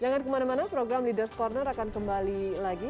jangan kemana mana program leaders corner akan kembali lagi